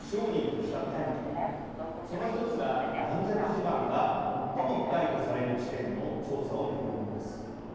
その１つが軟弱地盤が最も深いとされる地点の調査をめぐるものです。